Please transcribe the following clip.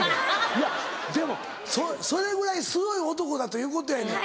いやでもそれぐらいすごい男だということやねん。